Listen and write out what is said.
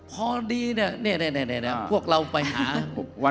พอดีเนี่ยพวกเราไปหา